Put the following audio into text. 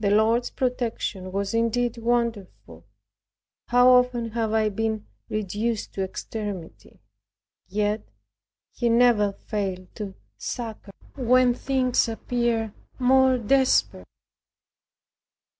The Lord's protection was indeed wonderful. How oft have I been reduced to extremity, yet He never failed to succor, when things appeared most desperate.